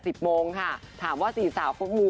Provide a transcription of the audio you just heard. สิบโมงค่ะถามว่าสี่สาวฟุ๊กมู